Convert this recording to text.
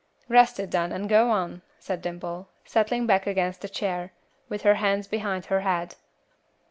"Rest it then, and go on," said Dimple, settling back against a chair, with her hands behind her head.